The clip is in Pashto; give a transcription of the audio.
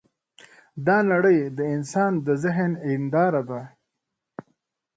دا نړۍ د انسان د ذهن هینداره ده.